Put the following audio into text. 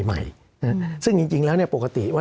สำหรับกำลังการผลิตหน้ากากอนามัย